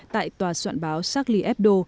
tại tòa soạn báo charlie hebdo